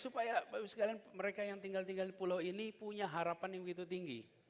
supaya mereka yang tinggal di pulau ini punya harapan yang begitu tinggi